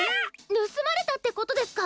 ぬすまれたってことですか？